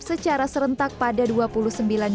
secara serentak pada hari ini